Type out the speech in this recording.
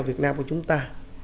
việt nam của chúng ta